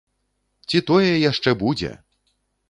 Ці тое яшчэ будзе!